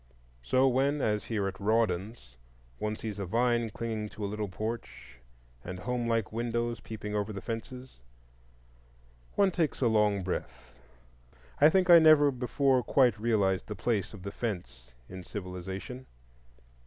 So when, as here at Rawdon's, one sees a vine clinging to a little porch, and home like windows peeping over the fences, one takes a long breath. I think I never before quite realized the place of the Fence in civilization.